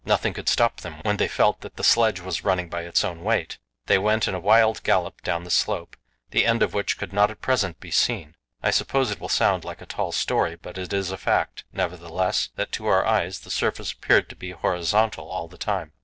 Nothing could stop them when they felt that the sledge was running by its own weight; they went in a wild gallop down the slope, the end of which could not at present be seen. I suppose it will sound like a tall story, but it is a fact, nevertheless, that to our eyes the surface appeared to be horizontal all the time.